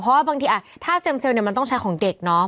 เพราะว่าบางทีถ้าเซมเซลล์มันต้องใช้ของเด็กเนาะ